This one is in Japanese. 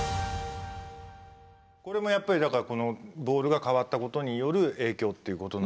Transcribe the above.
これもやっぱりだからこのボールが変わったことによる影響ってことなんですね。